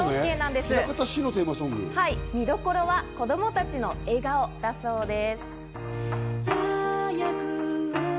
見どころは子供たちの笑顔です。